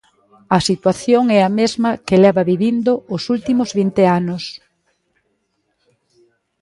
A situación é a mesma que leva vivindo os últimos vinte anos.